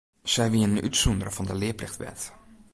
Sy wienen útsûndere fan de learplichtwet.